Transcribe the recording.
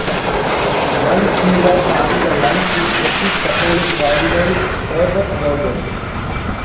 Once he was having a lunch with British Catholic cardinal Herbert Vaughan.